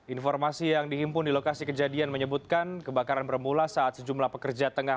informasi yang dihimpun di lokasi kejadian menyebutkan kebakaran bermula saat sejumlah pekerja tengah